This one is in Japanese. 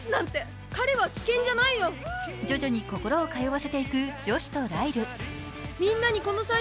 徐々に心を通わせていくジョシュとライル。